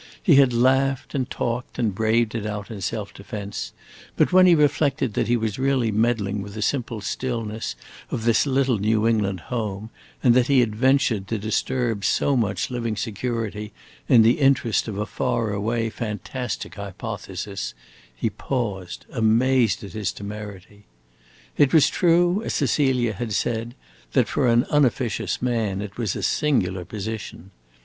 He had laughed and talked and braved it out in self defense; but when he reflected that he was really meddling with the simple stillness of this little New England home, and that he had ventured to disturb so much living security in the interest of a far away, fantastic hypothesis, he paused, amazed at his temerity. It was true, as Cecilia had said, that for an unofficious man it was a singular position.